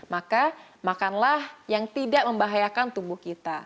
maka makanlah yang tidak membahayakan tubuh kita